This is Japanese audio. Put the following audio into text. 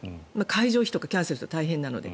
会場費とかキャンセルとか大変なので。